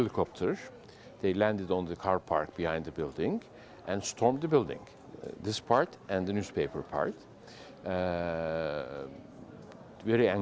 ya kepada semua orang orang di sini dan para pekerja perlindungan